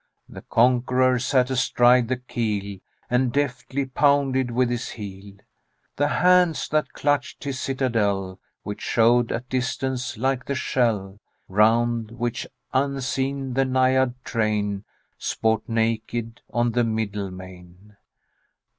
The conqueror sat astride the keel And deftly pounded with his heel The hands that clutched his citadel, Which showed at distance like the shell Round which, unseen, the Naiad train Sport naked on the middle main.